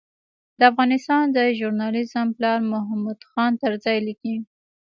د افغانستان د ژورنالېزم پلار محمود خان طرزي لیکي.